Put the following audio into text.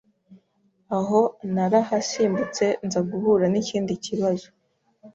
Aho narahasimbutse nza guhura n’ikindi kibazo